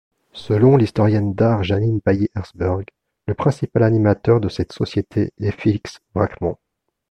Selon l'historienne d'art Janine Bailly-Herzberg, le principal animateur de cette société est Félix Bracquemond.